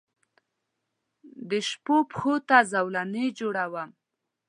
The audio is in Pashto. دشپووپښوته زولنې جوړوم